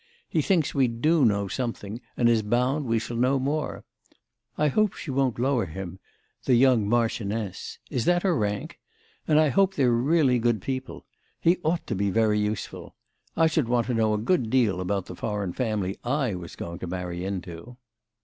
He thinks we do know something and is bound we shall know more. I hope she won't lower him, the young marchioness—is that her rank? And I hope they're really good people. He ought to be very useful. I should want to know a good deal about the foreign family I was going to marry into."